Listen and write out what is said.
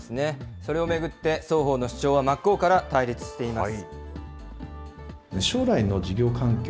それを巡って双方の主張は真っ向から対立しています。